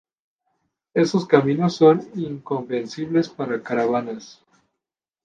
Estos caminos son inconvenientes para caravanas.